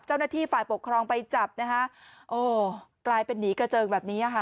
เจ้าหน้าที่ฝ่ายปกครองไปจับนะคะโอ้กลายเป็นหนีกระเจิงแบบนี้ค่ะ